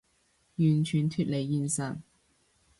完全脫離現實